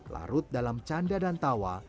larut dalam canda dan tawa